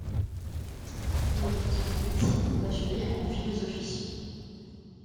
Il est docteur en médecine et bachelier en philosophie.